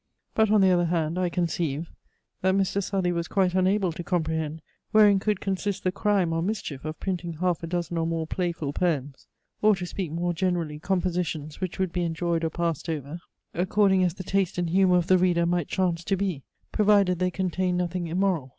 But on the other hand, I conceive, that Mr. Southey was quite unable to comprehend, wherein could consist the crime or mischief of printing half a dozen or more playful poems; or to speak more generally, compositions which would be enjoyed or passed over, according as the taste and humour of the reader might chance to be; provided they contained nothing immoral.